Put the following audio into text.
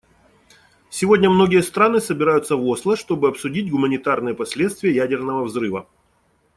Сегодня многие страны собираются в Осло, чтобы обсудить гуманитарные последствия ядерного взрыва.